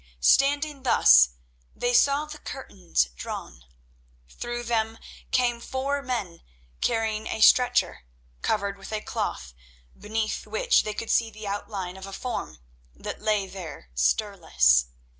Standing thus, they saw the curtains drawn. Through them came four men, carrying a stretcher covered with a cloth, beneath which they could see the outline of a form, that lay there stirless.